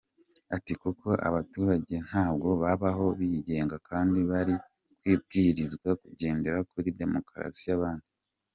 Ati “Kuko abaturage ntabwo babaho bigenga kandi bari kubwirizwa kugendera kuri demokarasi y’abandi.”